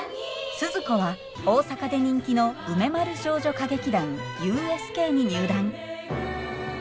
スズ子は大阪で人気の梅丸少女歌劇団ＵＳＫに入団。